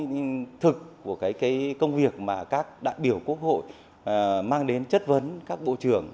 nhưng thực của cái công việc mà các đại biểu quốc hội mang đến chất vấn các bộ trưởng